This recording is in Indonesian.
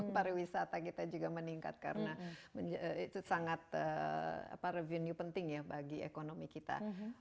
pariwisata kita juga meningkat karena itu sangat revenue penting ya bagi ekonomi kita